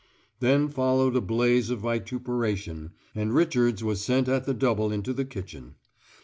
Then followed a blaze of vituperation, and Richards was sent at the double into the kitchen.